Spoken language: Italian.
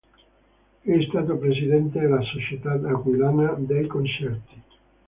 È stato Presidente della Società Aquilana dei Concerti.